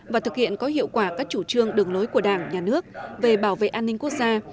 và thực hiện có hiệu quả các chủ trương đường lối của đảng nhà nước về bảo vệ an ninh quốc gia